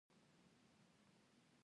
د لوحو مالیه ښاروالۍ اخلي